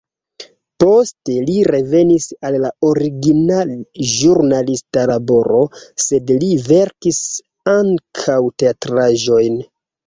Poste li revenis al la origina ĵurnalista laboro, sed li verkis ankaŭ teatraĵojn.